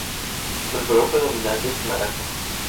Su color predominante es el naranja.